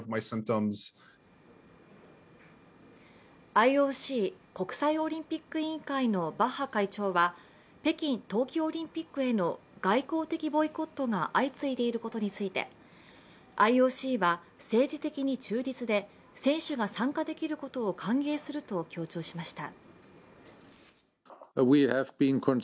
ＩＯＣ＝国際オリンピック委員会のバッハ会長は北京冬季オリンピックへの外交的ボイコットが相次いでいることについてＩＯＣは政治的に中立で選手が参加できることを歓迎すると強調しました。